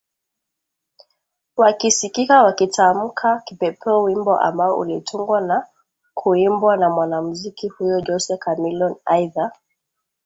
wakisikika wakitamka Kipepeo wimbo ambao ulitungwa na kuimbwa na mwanamuziki huyo Jose Chameleon Aidha